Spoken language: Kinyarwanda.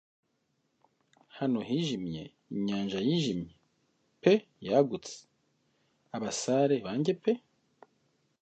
Hano hijimye inyanja yijimye pe yagutse. Abasare bange pe